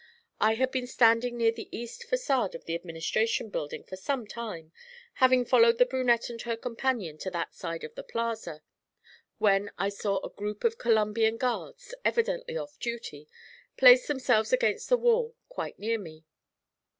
I had been standing near the east façade of the Administration Building for some time, having followed the brunette and her companion to that side of the Plaza, when I saw a group of Columbian Guards, evidently off duty, place themselves against the wall quite near me.